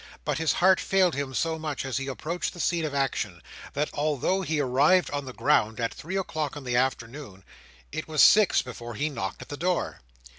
But his heart failed him so much as he approached the scene of action, that, although he arrived on the ground at three o'clock in the afternoon, it was six before he knocked at the door.